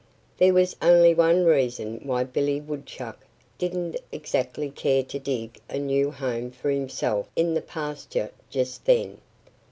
There was only one reason why Billy Woodchuck didn't exactly care to dig a new home for himself in the pasture just then.